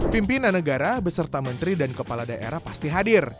pimpinan negara beserta menteri dan kepala daerah pasti hadir